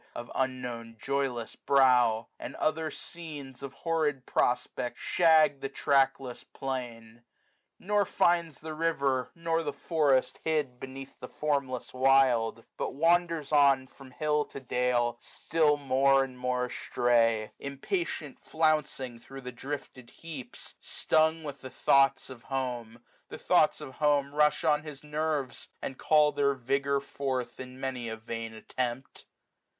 Of unknown joyless brow; and other scenes, 280 Of horrid prospect, shag the trackless plain : Nor finds the river, nor the forest, hid Beneath the formless wild ; but wanders on From hill to dale, still more and more astray ; Impatient flouncing thro* the drifted heaps, 285 Stung with the thoughts of home; the thoughts of home Rush on his nerves, and call their vigour forth In many a vain attempt.